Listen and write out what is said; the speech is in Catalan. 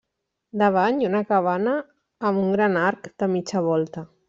Davant hi ha una cabana amb un gran arc de mitja volta.